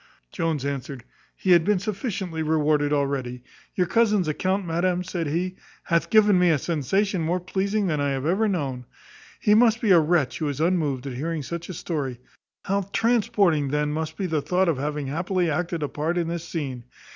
Jones answered, "He had been sufficiently rewarded already. Your cousin's account, madam," said he, "hath given me a sensation more pleasing than I have ever known. He must be a wretch who is unmoved at hearing such a story; how transporting then must be the thought of having happily acted a part in this scene!